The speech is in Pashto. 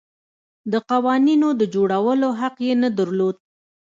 د قوانینو د جوړولو حق یې نه درلود.